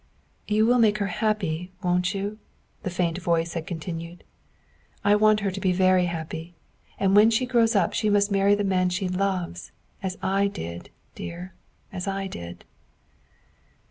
" You will make her happy, won't you?" the faint voice had continued. " I want her to be very happy, and Avhen she grows up she must marry the man she loves, as I did, dear as I did."